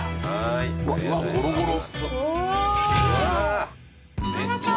うわゴロゴロ。